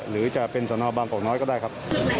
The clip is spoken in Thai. หรือจะเป็นสนบางกอกน้อยก็ได้ครับ